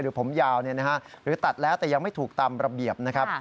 ผมยาวหรือตัดแล้วแต่ยังไม่ถูกตามระเบียบนะครับ